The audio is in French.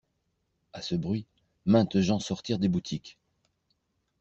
A ce bruit, maintes gens sortirent des boutiques.